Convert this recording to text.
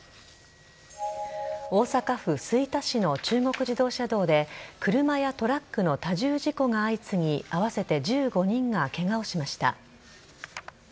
大阪府吹田市の中国自動車道で車やトラックの多重事故が相次ぎ合わせて１５人がケガをしました。